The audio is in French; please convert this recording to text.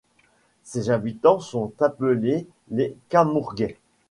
Ses habitants sont appelés les Canourguais.